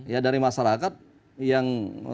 ya dari masyarakat yang